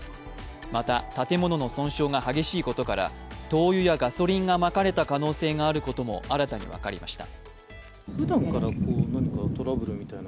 また建物の損傷が激しいことから灯油やガソリンがまかれた可能性があることも新たに分かりました。